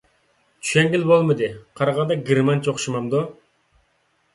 چۈشەنگىلى بولمىدى. قارىغاندا گېرمانچە ئوخشىمامدۇ؟